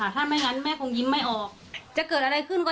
แม่ยังคงมั่นใจและก็มีความหวังในการทำงานของเจ้าหน้าที่ตำรวจค่ะ